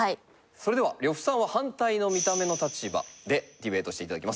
それでは呂布さんは反対の「見た目」の立場でディベートしていただきます。